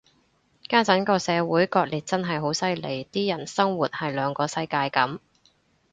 家陣個社會割裂真係好犀利，啲人生活喺兩個世界噉